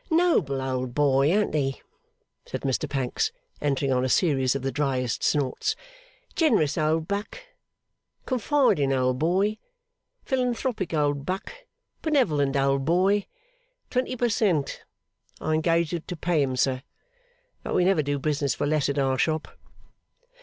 'Noble old boy; an't he?' said Mr Pancks, entering on a series of the dryest snorts. 'Generous old buck. Confiding old boy. Philanthropic old buck. Benevolent old boy! Twenty per cent. I engaged to pay him, sir. But we never do business for less at our shop.